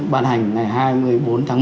ban hành ngày hai mươi bốn tháng một